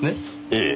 ええ。